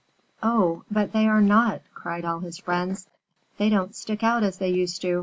"Oh, but they are not!" cried all his friends. "They don't stick out as they used to."